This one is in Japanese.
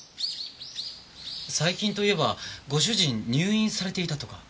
最近といえばご主人入院されていたとか。